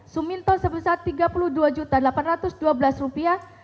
suminto sebesar tiga puluh dua delapan ratus dua belas rupiah